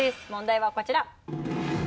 問題はこちら。